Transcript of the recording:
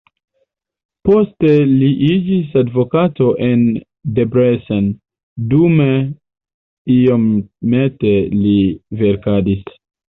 Poste li iĝis advokato en Debrecen, dume iomete li verkadis.